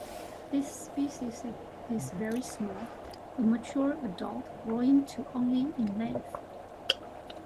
This species is very small, a mature adult growing to only in length.